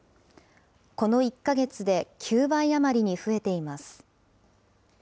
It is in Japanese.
この１か月で９倍余りに増えています。